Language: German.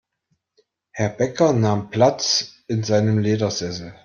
Herr Bäcker nahm Platz in seinem Ledersessel.